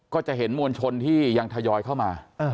ก็จะเห็นมวลชนที่ยังทยอยเข้ามา